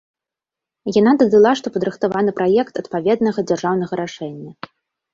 Яна дадала, што падрыхтаваны праект адпаведнага дзяржаўнага рашэння.